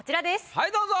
はいどうぞ。